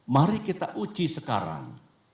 mari kita uji sekarang